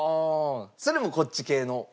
それもこっち系の？